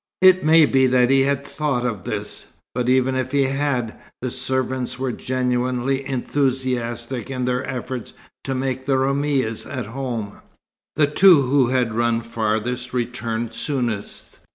It may be that he had thought of this. But even if he had, the servants were genuinely enthusiastic in their efforts to make the Roumis at home. The two who had run farthest returned soonest.